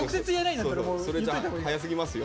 「それじゃ早すぎますよ」